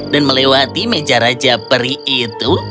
dan melewati meja raja peri itu